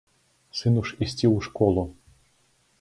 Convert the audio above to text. Сыну ж ісці ў школу!